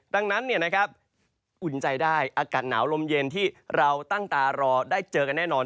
ดังนั้นอุ่นใจได้อากาศหนาวลมเย็นที่เราตั้งตารอได้เจอกันแน่นอน